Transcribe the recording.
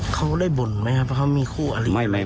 เขาได้บ่นไหมครับเขามีคู่อารีกอะไรไหม